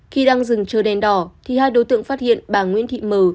khi đang dừng trời đèn đỏ hai đối tượng phát hiện bà nguyễn thị m